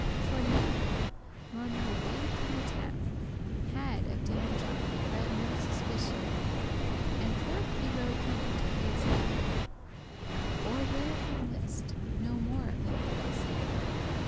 *servants For none of them, nor no wight in the town, Had of Dan John right no suspicioun; And forth he rode home to his abbay, Or where him list; no more of him I say.